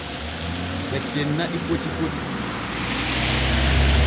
Ɓe cenna ɗi foti foti.